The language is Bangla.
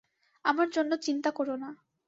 আমার জন্য চিন্তা কর না।